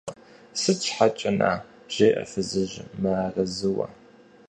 – Сыт щхьэкӀэ-на? – жеӀэ фызыжьым мыарэзыуэ.